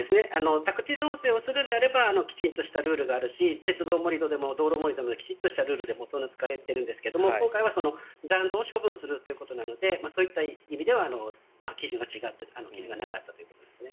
宅地造成をするのであればきちんとしたルールがあるし鉄道盛り土でも道路盛り土でもきちんとしたルールで作られているんですけど今回は残土を処分するということなのでそういった意味では基準がなかったということですね。